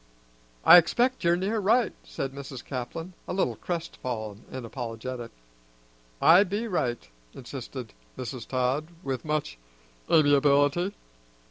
"I expect you're near right," said Mrs. Caplin, a little crestfallen and apologetic. "I be right," insisted Mrs. Todd with much amiability.